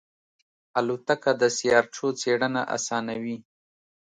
الوتکه د سیارچو څېړنه آسانوي.